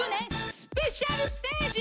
スペシャルステージ！